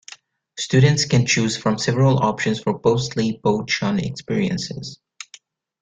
Students can choose from several options for post-Li Po Chun experiences.